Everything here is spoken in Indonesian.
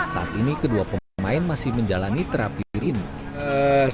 saat ini kedua pemain masih menjalani terakhir ini